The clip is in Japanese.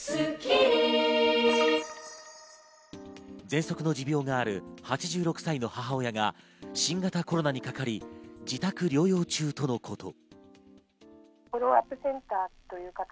ぜんそくの持病がある８６歳の母親が新型コロナにかかり、自宅療養中とのこと。